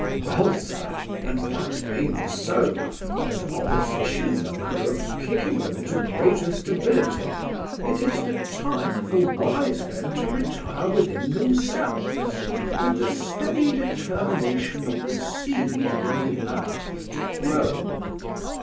Well, sir, and that being so, and opposition a manner of kicking them into greater stability, it is the time for wise men to retire within themselves, with the steady determination of the seed in the earth to grow.